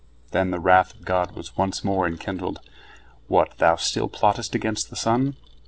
Then the wrath of God was once more enkindled: "What, thou still plottest against the sun?